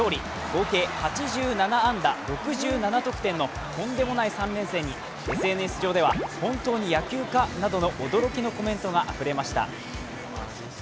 合計８７安打６７得点のとんでもない３連戦にＳＮＳ上では、本当に野球かなどの驚きのコメントがあふれました。